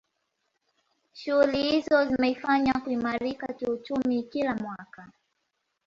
Shughuli hizo zimeifanya kuimarika kiuchumi kila mwaka